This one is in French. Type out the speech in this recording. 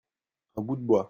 un bout de bois.